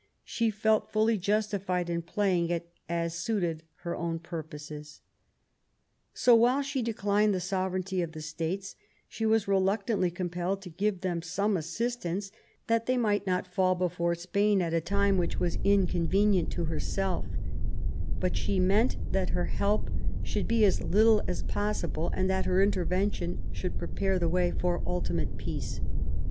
She felt fully justified in playing it as suited her own purposes. So while she declined the sovereignty of the States, she was reluctantly compelled to give them some assistance, that they might not fall before Spain at a time which was inconvenient to herself But she meant that her help should be as little as possible, and that her intervention should prepare the way for ultimate peace.